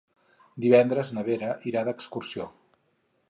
Divendres na Vera irà d'excursió.